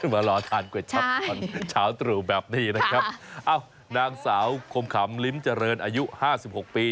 มารอทานก๋วยชับตอนเช้าตรู่แบบนี้นะครับเอ้านางสาวคมขำลิ้มเจริญอายุห้าสิบหกปี